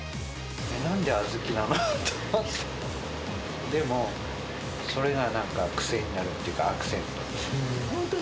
なんで小豆なの？と思うけど、でも、それがなんか癖になるっていうか、アクセント。